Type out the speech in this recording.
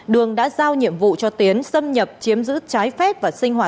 đường đã giao nhiệm vụ cho tiến xâm nhập chiếm giữ trái phép và sinh hoạt